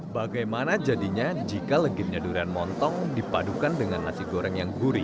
bagaimana jadinya jika legitnya durian montong dipadukan dengan nasi goreng yang gurih